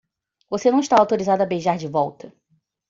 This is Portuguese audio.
Você não está autorizado a beijar de volta?